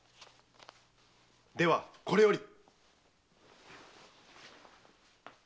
ではこれより。